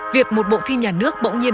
việc một bộ phim nhà nước bỗng nhiên